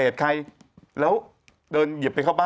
จนแบบ